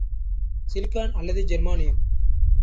Silicon அல்லது ஜெர்மானியம்.